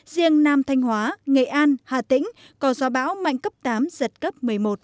riêng nam thanh hóa nghệ an hà tĩnh có gió bão mạnh cấp tám giật cấp một mươi một